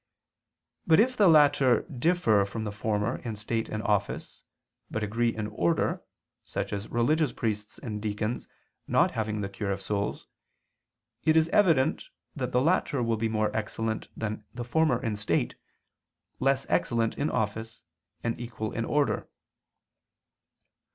But if the latter differ from the former in state and office, but agree in order, such as religious priests and deacons not having the cure of souls, it is evident that the latter will be more excellent than the former in state, less excellent in office, and equal in order.